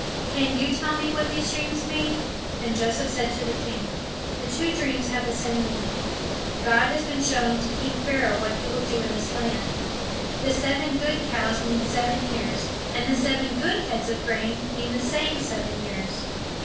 Can you tell me what these dreams mean?" And Joseph said to the king: "The two dreams have the same meaning. God has been showing to king Pharaoh what he will do in this land. The seven good cows mean seven years, and the seven good heads of grain mean the same seven years.